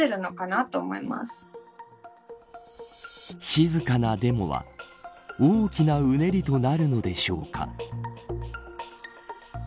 静かなデモは大きなうねりとなるのでしょうか。